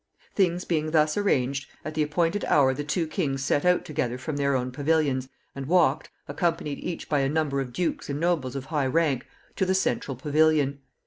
] Things being thus arranged, at the appointed hour the two kings set out together from their own pavilions, and walked, accompanied each by a number of dukes and nobles of high rank, to the central pavilion.